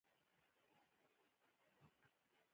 د پرانیستو بنسټونو اساس کېښود.